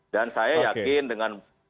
dan saya yakin dengan